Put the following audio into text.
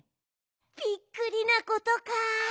びっくりなことか。